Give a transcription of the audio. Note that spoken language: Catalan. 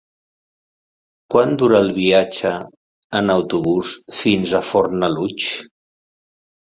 Quant dura el viatge en autobús fins a Fornalutx?